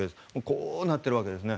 こうなっているわけですね。